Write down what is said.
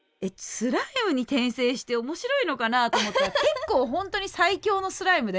スライムに転生して面白いのかなと思ったら結構ホントに最強のスライムで。